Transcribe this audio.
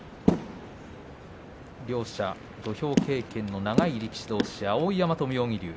両者土俵経験の長い力士どうし、碧山と妙義龍。